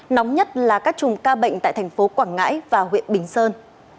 nóng nhất là các chùm ca bệnh tại thành phố quảng ngãi và huyện bình sơn